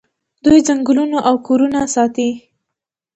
دوی ځنګلونه او کورونه ساتي.